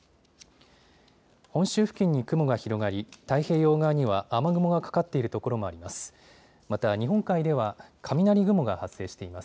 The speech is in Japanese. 本州付近に雲が広がり、太平洋側には雨雲がかかっている所もあります。